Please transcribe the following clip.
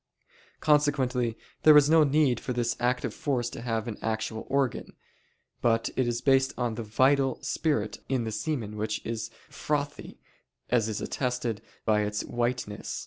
Consequently there is no need for this active force to have an actual organ; but it is based on the (vital) spirit in the semen which is frothy, as is attested by its whiteness.